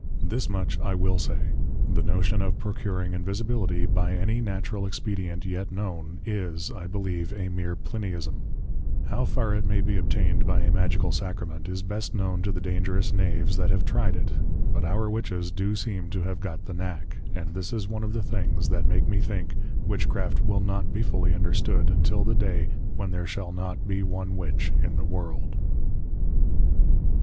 This much I will say; The notion of procuring Invisibility, by any Natural Expedient, yet known, is, I Believe, a meer PLINYISM; How far it may be obtained by a Magical Sacrament, is best known to the Dangerous Knaves that have try'd it. But our Witches do seem to have got the knack: and this is one of the Things, that make me think, Witchcraft will not be fully understood, until the day when there shall not be one Witch in the World.